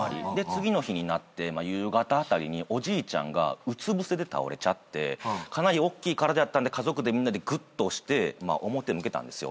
次の日になって夕方あたりにおじいちゃんがうつぶせで倒れちゃってかなりおっきい体やったんで家族でみんなでグッと押して表向けたんですよ。